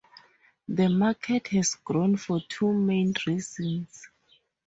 The market has grown for two main reasons.